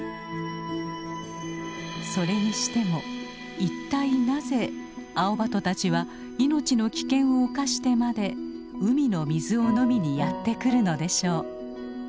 それにしても一体なぜアオバトたちは命の危険を冒してまで海の水を飲みにやって来るのでしょう。